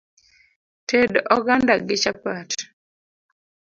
Ted oganda gi chapat.